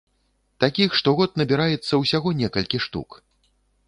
Такіх штогод набіраецца ўсяго некалькі штук.